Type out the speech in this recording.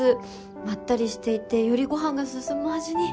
まったりしていてよりご飯が進む味に。